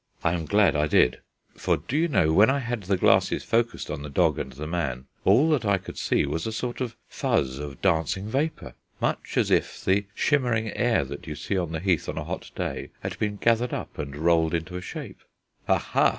I am glad I did; for, do you know, when I had the glasses focused on the dog and the man, all that I could see was a sort of fuzz of dancing vapour, much as if the shimmering air that you see on the heath on a hot day had been gathered up and rolled into a shape. "Ha! ha!"